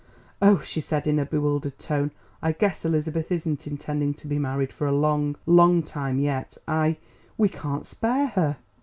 "Oh," she said, in a bewildered tone, "I guess Elizabeth isn't intending to be married for a long, long time yet; I we can't spare her."